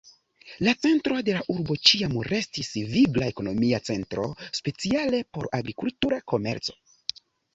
La centro de la urbo ĉiam restis vigla ekonomia centro, speciale por agrikultura komerco.